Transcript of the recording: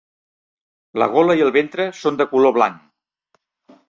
La gola i el ventre són de color blanc.